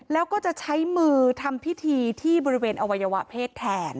แล้วก็จะใช้มือทำพิธีที่บริเวณอวัยวะเพศแทน